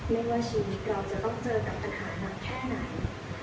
ไม่ว่าชีวิตเราจะต้องเจอกับปัญหาหนักแค่ไหน